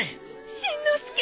しんのすけ！